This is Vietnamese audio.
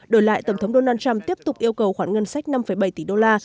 đổi lại tổng thống donald trump tiếp tục yêu cầu khoản ngân sách năm bảy tỷ đô la